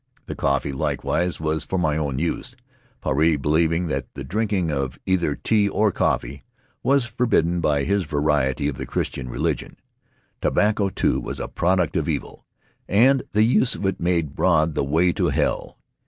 The coffee, likewise, was for my own use, Puarei believing that the drinking of either tea or coffee was forbidden by his variety of the Christian religion. Tobacco, too, was a product of evil, and the use of it made broad the way to hell.